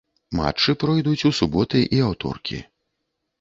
Матчы пройдуць у суботы і аўторкі.